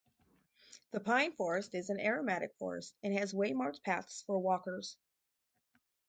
The pine forest is an aromatic forest and has waymarked paths for walkers.